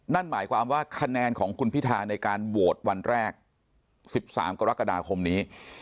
นั่นหมายความว่าคะแนนของคุณพิธาในการโหวตวันแรก๑๓กรกฎาคมนี้